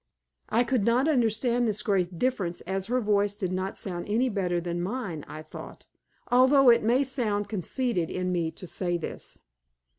I could not understand this great difference as her voice did not sound any better than mine, I thought, although it may sound conceited in me to say this.